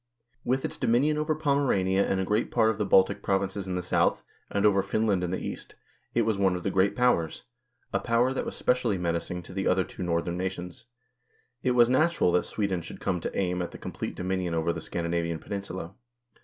With its dominion over Pomerania and a great part of the Baltic provinces in the south, and over Finland in the east, it was one of the Great Powers a power that was specially menacing to the other two Northern nations. It was natural that Sweden should come to aim at the complete dominion over the Scandinavian peninsula.